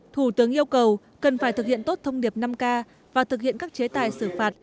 thủ tướng yêu cầu cần phải thực hiện tốt thông điệp năm k và thực hiện các chế tài xử phạt